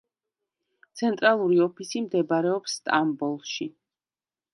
ცენტრალური ოფისი მდებარეობს სტამბოლში.